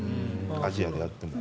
アジアであっても。